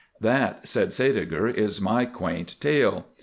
"That," said Sædeger, "is my quaint tale.